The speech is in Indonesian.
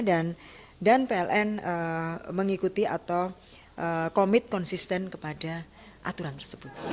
dan pln mengikuti atau komit konsisten kepada aturan tersebut